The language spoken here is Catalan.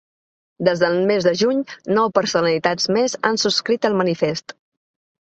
Des del mes de juny, nou personalitats més han subscrit el manifest.